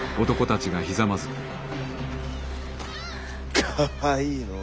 かわいいのう。